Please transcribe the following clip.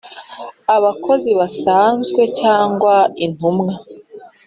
abakozi basanzwe cyangwa intumwa